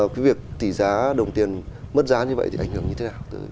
cái việc tỷ giá đồng tiền mất giá như vậy thì ảnh hưởng như thế nào